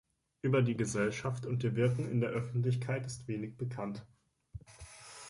Über die Gesellschaft und ihr Wirken ist in der Öffentlichkeit wenig bekannt.